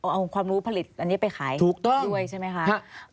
เอาความรู้ผลิตอันนี้ไปขายถูกต้องด้วยใช่ไหมคะ